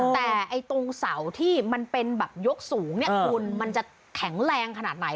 แต่ตรงเสาที่มันเป็นแบบยกสูงเนี่ยคุณมันจะแข็งแรงขนาดไหน